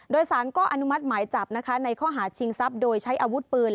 โดยสารก็อนุมัติหมายจับนะคะในข้อหาชิงทรัพย์โดยใช้อาวุธปืน